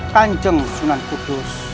panjang sunan kudus